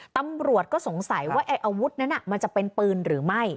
ตำรวจก็สงสัยว่าไอ้อาวุธนั้นมันจะเป็นปืนหรือไม่